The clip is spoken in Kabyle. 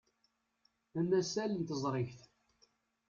Amasal n teẓrigt.